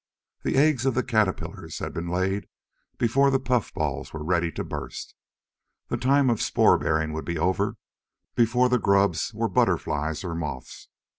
The eggs of the caterpillars had been laid before the puffballs were ready to burst. The time of spore bearing would be over before the grubs were butterflies or moths.